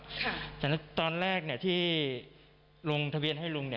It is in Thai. แต่ตอนแรกที่ลงทะเบียนให้ลุง